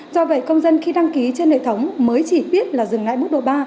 do vậy công dân khi đăng ký trên hệ thống mới chỉ biết là dừng lại mức độ ba